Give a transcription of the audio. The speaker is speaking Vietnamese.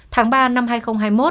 tháng ba năm hai nghìn hai mươi một